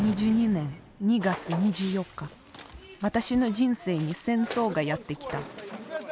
２０２２年２月２４日私の人生に「戦争」がやってきた。